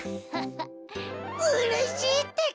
うれしいってか！